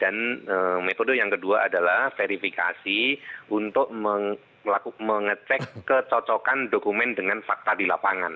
dan metode yang kedua adalah verifikasi untuk mengecek kecocokan dokumen dengan fakta di lapangan